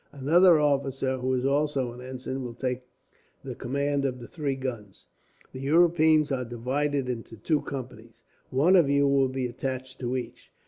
Another officer, who is also an ensign, will take the command of the three guns. The Europeans are divided into two companies. One of you will be attached to each.